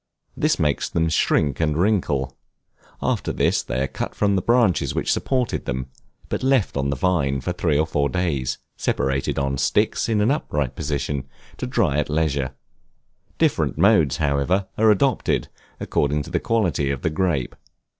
This makes them shrink and wrinkle: after this they are cut from the branches which supported them, but left on the vine for three or four days, separated on sticks, in an upright position, to dry at leisure. Different modes, however, are adopted, according to the quality of the grape.